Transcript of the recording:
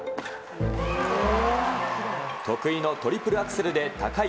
得意のトリプルアクセルで高い